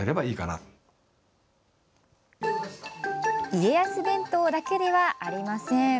家康弁当だけではありません。